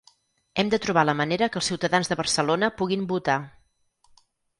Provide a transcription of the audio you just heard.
Hem de trobar la manera que els ciutadans de Barcelona puguin votar.